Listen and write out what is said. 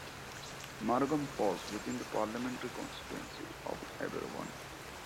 Margam falls within the parliamentary constituency of Aberavon.